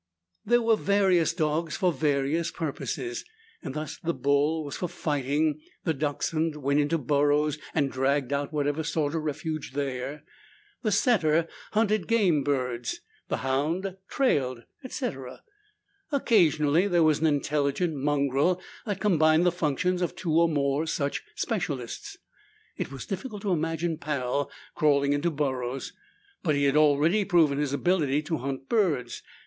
There were various dogs for various purposes. Thus the bull was for fighting, the dachshund went into burrows and dragged out whatever sought a refuge there, the setter hunted game birds, the hound trailed, etc. Occasionally there was an intelligent mongrel that combined the functions of two or more such specialists. It was difficult to imagine Pal crawling into burrows, but he had already proven his ability to hunt birds.